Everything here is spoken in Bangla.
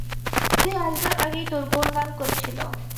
তুই আসবার আগেই তোর গুণগান করছিল।